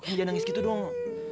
kamu jangan nangis gitu dong